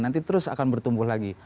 nanti terus akan bertumbuh lagi